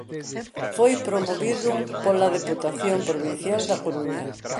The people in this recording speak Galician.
Foi promovido polo Deputación Provincial da Coruña.